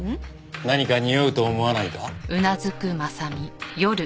何かにおうと思わないか？